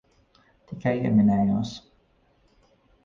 Tikai ieminējos.